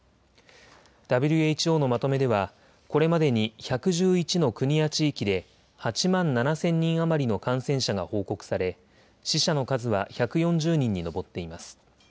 ＷＨＯのまとめではこれまでに１１１の国や地域で８万７０００人余りの感染者が報告され死者の数は１４０人に上っています。